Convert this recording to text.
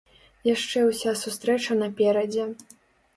Яшчэ ўся сустрэча наперадзе.